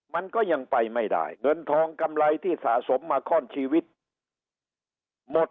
มันก็ยังไปไม่ได้เงินทองกำไรที่สะสมมาข้อนชีวิตหมด